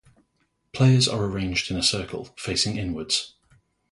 Players are arranged in a circle, facing inwards.